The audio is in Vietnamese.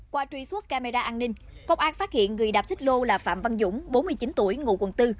qua truy xuất camera an ninh công an phát hiện người đạp xích lô là phạm văn dũng bốn mươi chín tuổi ngụ quận bốn